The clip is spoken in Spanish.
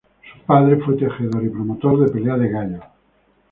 Su padre fue tejedor y promotor de pelea de gallos.